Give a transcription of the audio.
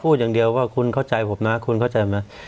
พูดอย่างเดียวว่าคุณเข้าใจผมนะคุณเข้าใจไหม